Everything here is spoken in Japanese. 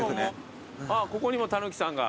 あっここにもたぬきさんが。